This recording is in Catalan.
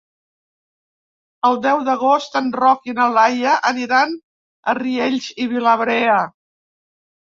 El deu d'agost en Roc i na Laia aniran a Riells i Viabrea.